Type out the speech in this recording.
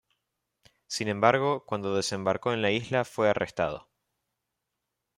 Sin embargo, cuando desembarcó en la isla fue arrestado.